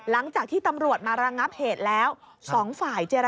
ลูกชายผมไม่จอดผมกลัวจะตอบ